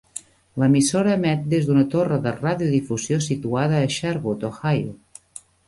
L'emissora emet des d'una torre de radiodifusió situada a Sherwood, Ohio.